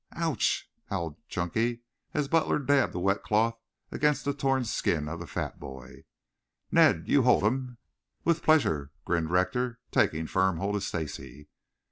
"Ouch!" howled Chunky as Butler dabbed a wet cloth against the torn skin of the fat boy. "Ned, you hold him." "With pleasure," grinned Rector, taking firm hold of Stacy.